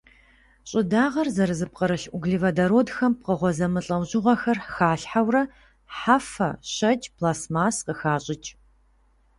Щӏыдагъэр зэрызэпкърылъ углеводородхэм пкъыгъуэ зэмылӏэужьыгъуэхэр халъхьэурэ хьэфэ, щэкӏ, пластмасс къыхащӏыкӏ.